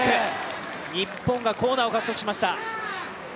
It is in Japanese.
日本がコーナーを獲得しました。